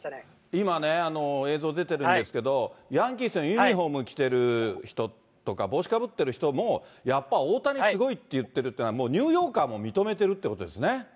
今ね、映像出てるんですけれども、ヤンキースのユニホーム着てる人とか、帽子かぶってる人も、やっぱ大谷すごいって言ってるっていうのは、もうニューヨーカーも認めてるってことですね。